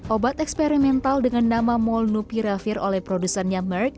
obat eksperimental dengan nama molnupiravir oleh produsernya merck